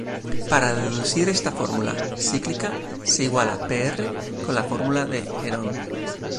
Para deducir esta fórmula cíclica, se iguala pr con la fórmula de Herón.